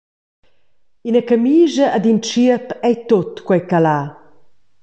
Ina camischa ed in tschiep ei tut quei ch’el ha.